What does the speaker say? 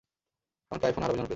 এমনকি আইফোনও হারাবে জনপ্রিয়তা।